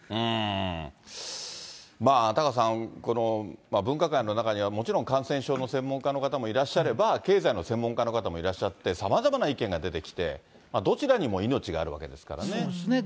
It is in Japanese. うーん、タカさん、分科会の中にはもちろん感染症の専門家の方もいらっしゃれば、経済の専門家の方もいらっしゃって、さまざまな意見が出てきて、どちらにも命があるわけですからね。